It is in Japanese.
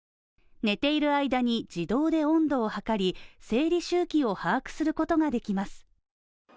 寝ている間に、自動で温度を測り、生理周期を把握することができます。